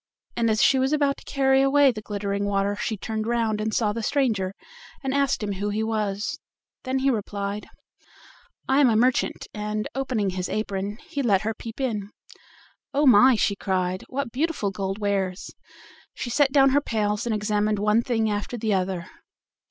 And as she was about to carry away the glittering water she turned round and saw the stranger, and asked him who he was. Then he replied: "I am a merchant," and opening his apron, he let her peep in. "Oh! my," she cried; "what beautiful gold wares!" she set down her pails, and examined one thing after the other.